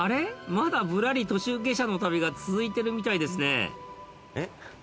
まだ『ぶらり途中下車の旅』が続いてるみたいですねえ？